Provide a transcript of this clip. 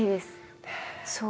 そう。